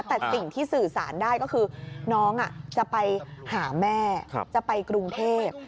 แต่สิ่งที่สื่อสารได้ก็คือน้องจะไปหาแม่จะไปกรุงเทพ